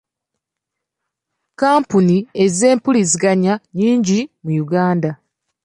Kampuni z'ebyempuliziganya nnyingi mu Uganda.